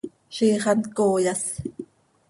¡Ziix hant cooyas!